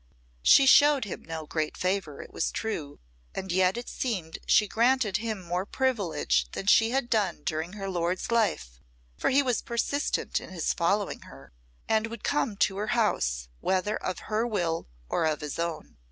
She showed him no great favour, it was true; and yet it seemed she granted him more privilege than she had done during her lord's life, for he was persistent in his following her, and would come to her house whether of her will or of his own.